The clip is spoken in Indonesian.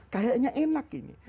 kayaknya enak ini